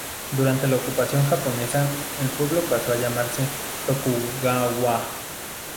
Durante la ocupación japonesa, el pueblo pasó a llamarse Tokugawa.